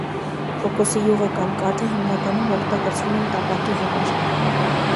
Կոկոսի յուղը կամ կաթը հիմնականում օգտագործվում են տապակի համար։